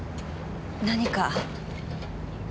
何か？